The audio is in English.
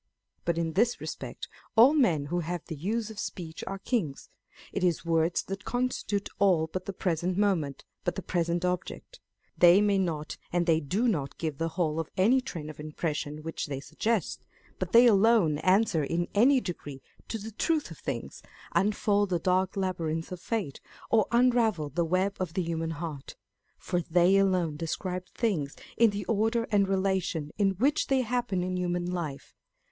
But in this respect all men who have the use of speech are kings. It is words that constitute all but the present moment, but the present object. They may not and they do not give the whole of any train of impression which they suggest; but they alone answer in any degree to the truth of things, unfold the dark labyrinth of fate, or unravel the web of the human heart ; for they alone describe things in the order and relation in which they happen in human life.